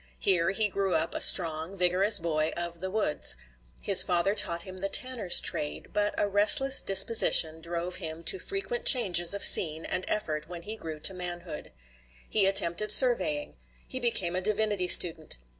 Here he grew up a strong, vigorous boy of the woods. His father taught him the tanner's trade; but a restless disposition drove him to frequent changes of scene and effort when he grew to manhood. He attempted surveying. He became a divinity student.